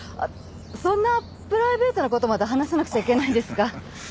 そんなプライベートな事まで話さなくちゃいけないんですか。